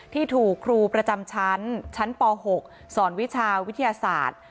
ที่ถูกครูประจำชั้นชั้นป๖สอนวิชาวิทยาศาสตร์